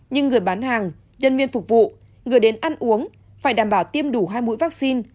nhưng người bán hàng nhân viên phục vụ người đến ăn uống phải đảm bảo tiêm đủ hai mũi vaccine